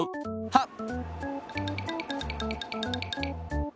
はっ！